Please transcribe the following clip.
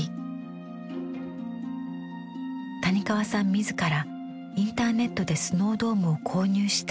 自らインターネットでスノードームを購入したとか。